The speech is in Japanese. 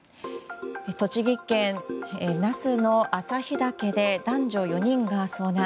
栃木県那須の朝日岳で男女４人が遭難。